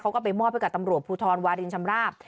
เขาก็ไปมอบให้กับตำรวจภูทรวารินชำราบ